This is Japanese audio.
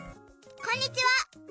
こんにちは！